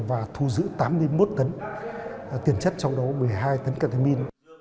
và thu giữ tám mươi một tấn tiền chất trong đó một mươi hai tấn ketamin